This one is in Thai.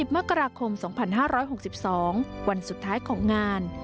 มกราคม๒๕๖๒วันสุดท้ายของงาน